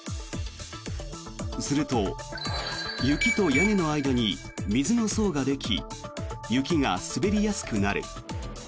すると、雪と屋根の間に水の層ができ雪が滑りやすくなる。